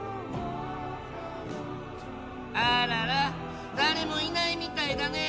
あらら誰もいないみたいだね。